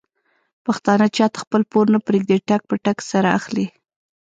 پښتانه چاته خپل پور نه پرېږدي ټک په ټک سره اخلي.